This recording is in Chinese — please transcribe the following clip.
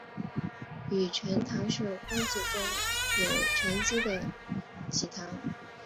己醛糖是分子中有醛基的己糖。